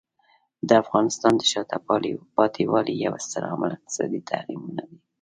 د افغانستان د شاته پاتې والي یو ستر عامل اقتصادي تحریمونه دي.